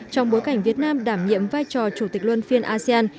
trong bối cảnh việt nam đảm nhiệm vai trò chủ tịch luân phiên asean